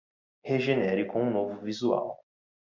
Regenere com um novo visual